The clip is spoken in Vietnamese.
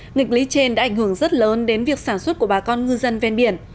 nghịch lý trên đã ảnh hưởng rất lớn đến việc sản xuất của bà con ngư dân ven biển